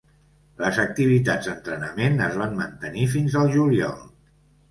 Les activitats d'entrenament es van mantenir fins al juliol.